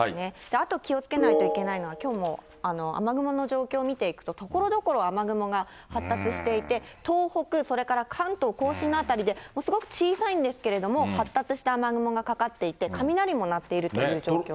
あと気をつけないといけないのが、雨雲の状況見ていくと、ところどころ、雨雲が発達していて、東北、それから関東甲信の辺りで、すごく小さいんですけれども、発達した雨雲がかかっていて、雷も鳴っているという状況です。